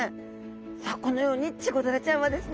さあこのようにチゴダラちゃんはですね